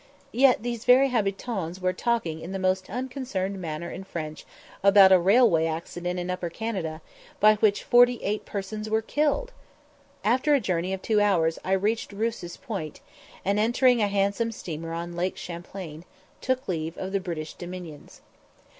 Yet these very habitans were talking in the most unconcerned manner in French about a railway accident in Upper Canada, by which forty eight persons were killed! After a journey of two hours I reached Rouse's Point, and, entering a handsome steamer on Lake Champlain, took leave of the British dominions.